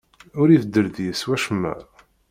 Ur ibeddel deg-s wacemma.